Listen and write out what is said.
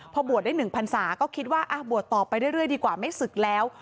พอบวชได้๑พันศาก็คิดว่าบวชต่อไปเรื่อยดีกว่าไม่ศึกแล้ว